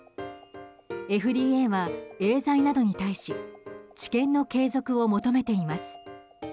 ＦＤＡはエーザイなどに対し治験の継続を求めています。